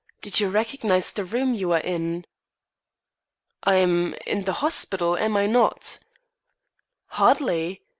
Do you recognise the room you are in?" "I'm in the hospital, am I not?" "Hardly.